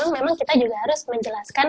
memang kita juga harus menjelaskan